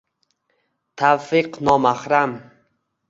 tavfiq nomahram!